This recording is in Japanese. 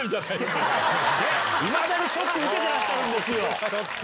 いまだにショック受けてらっしゃるんですよ！